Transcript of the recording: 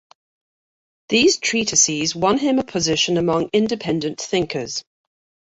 These treatises won him a position among independent thinkers.